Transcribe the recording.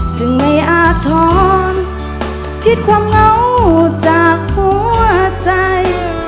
จึงไม่อาทรผิดความเหงาจากหัวใจ